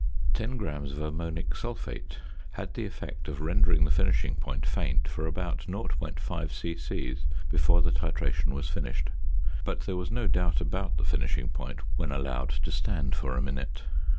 Ten grams of ammonic sulphate had the effect of rendering the finishing point faint for about 0.5 c.c. before the titration was finished, but there was no doubt about the finishing point when allowed to stand for a minute.